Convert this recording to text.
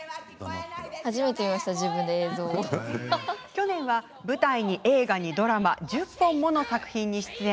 去年は舞台に映画にドラマ１０本もの作品に出演。